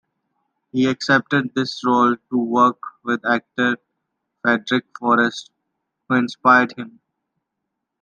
He accepted this role to work with actor Frederic Forrest, who inspired him.